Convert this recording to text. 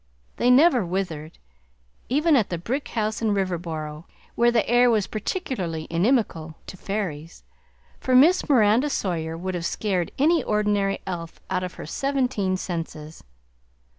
They never withered, even at the brick house in Riverboro, where the air was particularly inimical to fairies, for Miss Miranda Sawyer would have scared any ordinary elf out of her seventeen senses.